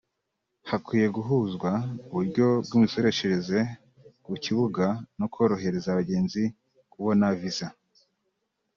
hakwiye guhuzwa uburyo bw’imisoreshereze ku bibuga no korohereza abagenzi kubona visa